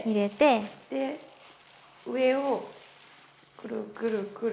で上をくるくるくる。